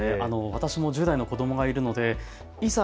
私も１０代の子どもがいるのでいざ